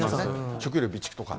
食料備蓄とか。